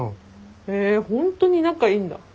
へぇホントに仲いいんだ。